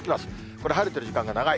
これ、晴れてる時間が長い。